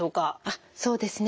あっそうですね。